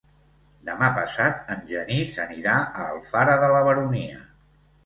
Demà passat en Genís anirà a Alfara de la Baronia.